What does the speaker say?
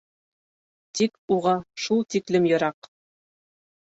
Тик уға шул тиклем йыраҡ!